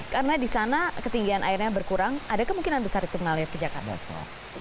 karena di sana ketinggian airnya berkurang ada kemungkinan besar itu mengalir ke jakarta